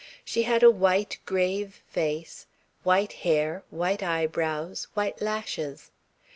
She had a white, grave face, white hair, white eyebrows, white lashes.